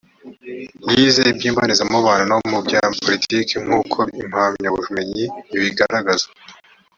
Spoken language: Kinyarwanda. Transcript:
yize iby’imbonezamubano no mu bya politiki nk’uko impamyabumenyi ibigaragaza